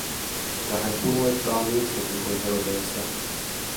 Ja hän punoittaa muustakin kuin helteestä.